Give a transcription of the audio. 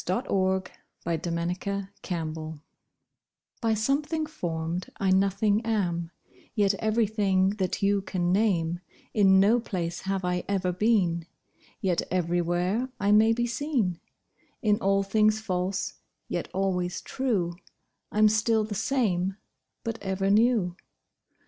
ON A SHADOW IN A GLASS; By something form'd, I nothing am, Yet everything that you can name; In no place have I ever been, Yet everywhere I may be seen; In all things false, yet always true, I'm still the same but ever new.